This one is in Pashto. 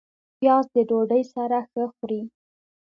پیاز د ډوډۍ سره ښه خوري